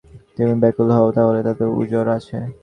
যদি তুমি ব্যাকুল হও তাহলে তাতে উযর আছে।